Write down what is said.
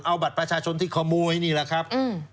เอาบัตรประชาชนที่ขโมยนี่แหละครับ